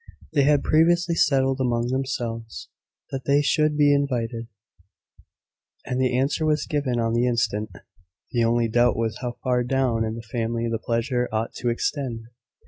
They had previously settled among themselves that they should be invited, and the answer was given on the instant. The only doubt was how far down in the family the pleasure ought to extend.